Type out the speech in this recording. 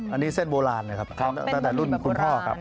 อันนี้เส้นโบราณนะครับตั้งแต่รุ่นคุณพ่อครับ